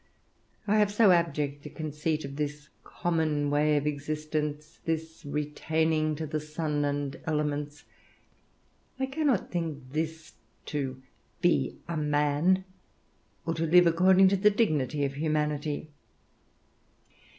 I have so abject a conceit of this common way of existence, this retaining to the sun and elements, I cannot think this to be a man, or to live according to the dignity of humanity.